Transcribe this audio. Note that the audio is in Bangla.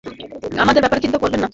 আমার ব্যাপারে চিন্তা করবেন না।